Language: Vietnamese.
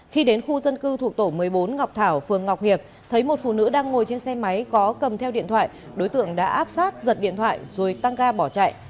khi đến khu dân cư thuộc tổ một mươi bốn ngọc thảo phường ngọc hiệp thấy một phụ nữ đang ngồi trên xe máy có cầm theo điện thoại đối tượng đã áp sát giật điện thoại rồi tăng ga bỏ chạy